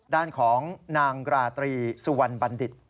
ด้านของนางราตรีสุวรรณบัณฑิต